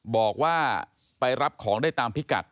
บอกว่าไปรับของได้ตามพิกัด